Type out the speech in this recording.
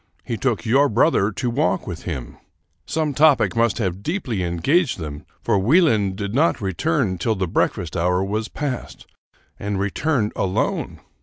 He took your brother to walk with him. Some topic must have deeply engaged them, for Wieland did not return till the breakfast hour was passed, and returned alone.